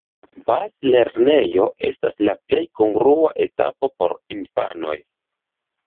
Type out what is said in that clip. Bazlernejo estas la plej kongrua etapo por infanoj.